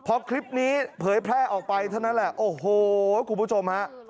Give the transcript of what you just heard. พอคลิปนี้เผยแพร่ออกไปเท่านั้นแหละโอ้โหคุณผู้ชมฮะ